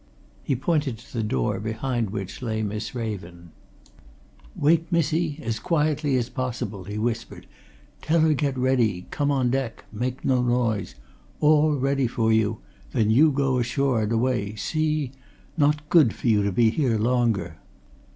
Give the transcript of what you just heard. He pointed to the door behind which lay Miss Raven. "Wake missie as quietly as possible," he whispered. "Tell her get ready come on deck make no noise. All ready for you then you go ashore and away, see? Not good for you to be here longer."